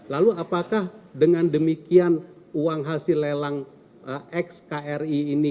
lalu apakah dengan demikian uang hasil lelang x kri ini